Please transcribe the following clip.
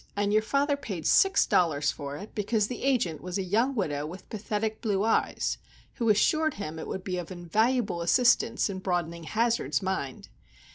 "And your father paid six dollars for it, because the agent was a young widow with pathetic blue eyes, who assured him it would be of invaluable assistance in broadening Hazard's mind.